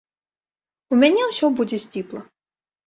У мяне ўсё будзе сціпла.